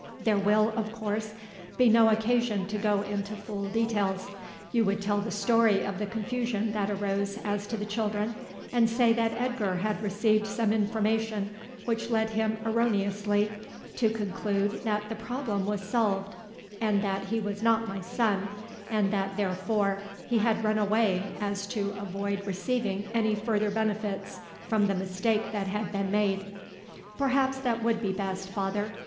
There will, of course, be no occasion to go into full details. You would tell the story of the confusion that arose as to the children, and say that Edgar had received some information which led him erroneously to conclude that the problem was solved, and that he was not my son, and that therefore he had run away so as to avoid receiving any further benefits from the mistake that had been made." "Perhaps that would be best, father.